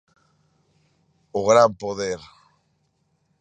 O gran poder.